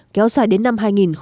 kéo dài đến năm hai nghìn hai mươi